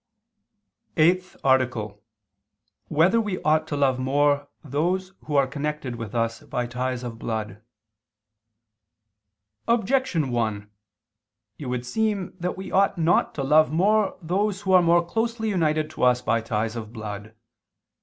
_______________________ EIGHTH ARTICLE [II II, Q. 26, Art. 8] Whether We Ought to Love More Those Who Are Connected with Us by Ties of Blood? Objection 1: It would seem that we ought not to love more those who are more closely united to us by ties of blood.